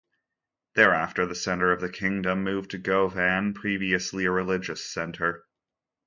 Thereafter the centre of the kingdom moved to Govan, previously a religious centre.